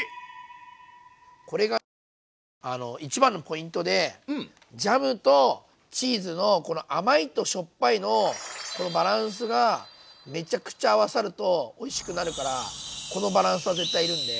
これがね一番のポイントでジャムとチーズのこの甘いとしょっぱいのこのバランスがめちゃくちゃ合わさるとおいしくなるからこのバランスは絶対要るんで。